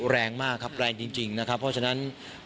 แรงมากครับแรงจริงนะครับเพราะฉะนั้น